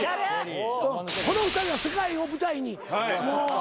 この２人は世界を舞台にもう。